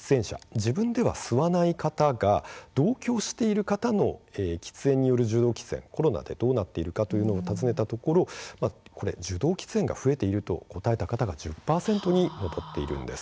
自分では吸わない方が同居している方の喫煙による受動喫煙コロナでどうなっているか尋ねたところ受動喫煙が増えていると答えた方が１０％に上っているんです。